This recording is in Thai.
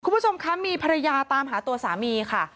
คุณผู้ชมคะมีภรรยาตามหาตัวสามีค่ะ